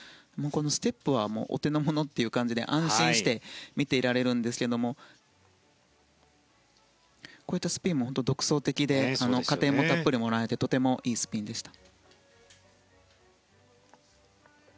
ステップはお手のものという感じで安心して見ていられるんですがスピンも独創的で加点もたっぷりもらえてとてもいいスピンでした。